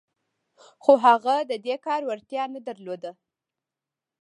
خو هغه د دې کار وړتيا نه درلوده.